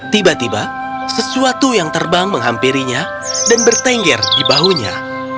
tiba tiba sesuatu yang terbang menghampirinya dan bertengger di bahunya